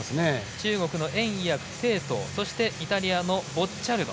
中国の袁偉訳、鄭濤そしてイタリアのボッチャルド